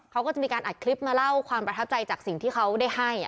เขาก็จะมีการอัดคลิปมาเล่าความประทับใจจากสิ่งที่เขาได้ให้